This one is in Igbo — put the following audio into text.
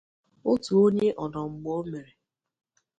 Otu onye ọnọmgbeomere